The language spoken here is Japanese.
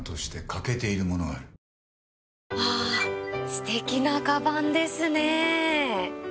すてきなかばんですね。